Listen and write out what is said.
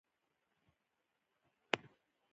کور د هر چا لپاره ارزښت لري.